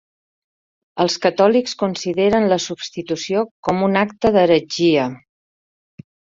Els catòlics consideren la substitució com un acte d'heretgia.